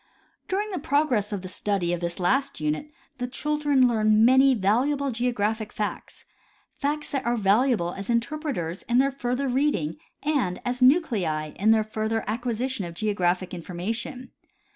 During the progress of the study of this last unit the children learn many valuable geographic facts, facts that are valuable as interpreters in their further reading and as nuclei in their fur ther acquisition of geographic information.